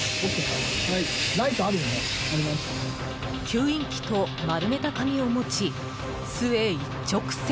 吸引器と丸めた紙を持ち巣へ一直線。